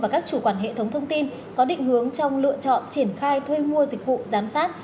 các thông tin có định hướng trong lựa chọn triển khai thuê mua dịch vụ giám sát